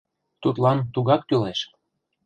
Тудлан тугак кӱлеш.